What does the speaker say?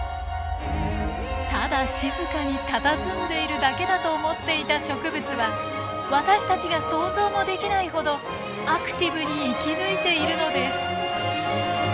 ただ静かにたたずんでいるだけだと思っていた植物は私たちが想像もできないほどアクティブに生き抜いているのです。